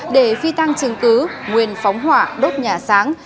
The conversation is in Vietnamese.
để phi tăng chứng cứ nguyên phóng hỏa đốt nhà sáng